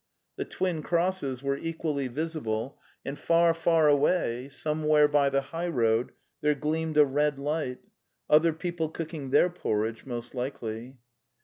The twin crosses were equally visible, and far, far away, some where by the highroad there gleamed a red light — other people cooking their porridge, most likely.